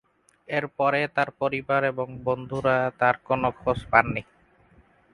এর পরে তাঁর পরিবার এবং বন্ধুরা তাঁর কোন খোঁজ পাননি।